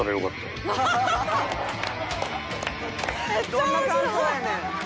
どんな感想やねん！